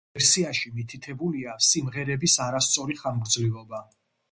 ამ ვერსიაში მითითებულია სიმღერების არასწორი ხანგრძლივობა.